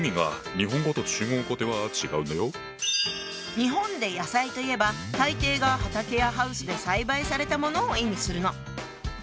日本で「野菜」といえば大抵が畑やハウスで栽培されたものを意味するの。